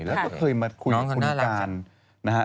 แล้วก็เคยมาคุยกับคุณการนะฮะ